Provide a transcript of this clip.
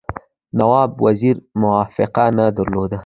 نواب وزیر موافقه نه درلوده.